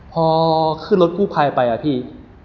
พอขึ้นรถกู้ภัยไปอะพี่